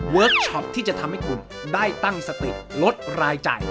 ช็อปที่จะทำให้คุณได้ตั้งสติลดรายจ่าย